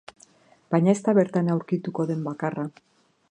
Baina ez da bertan aurkituko den bakarra.